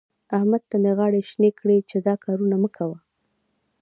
احمد ته مې غاړې شينې کړې چې دا کارونه مه کوه.